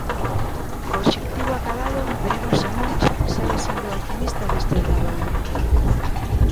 Co obxectivo acadado, veremos se Moncho segue sendo o alquimista deste Obradoiro.